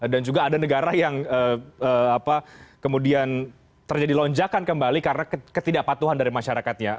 dan juga ada negara yang kemudian terjadi lonjakan kembali karena ketidakpatuhan dari masyarakatnya